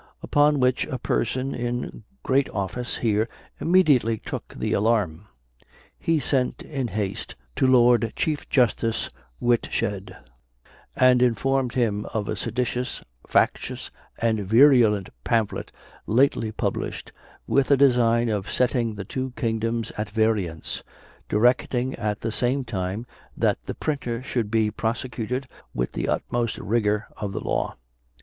Upon which a person in great office here immediately took the alarm; he sent in haste to Lord Chief Justice Whitshed, and informed him of a seditious, factious, and virulent pamphlet, lately published, with a design of setting the two kingdoms at variance, directing at the same time that the printer should be prosecuted with the utmost rigor of the law.